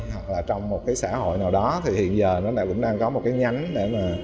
hoặc là trong một cái xã hội nào đó thì hiện giờ nó lại cũng đang có một cái nhánh để mà